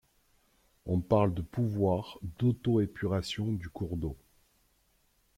On parle de pouvoir d’auto-épuration du cours d’eau.